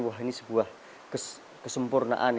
wah ini sebuah kesempurnaan